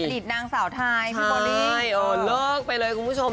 ผลิตนางสาวไทยพี่โบลิ่งใช่โอ้โหเลิกไปเลยคุณผู้ชม